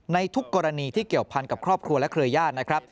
ในทุกกรณีที่เกี่ยวพันกับครอบครัวและเครือญาตินะครับ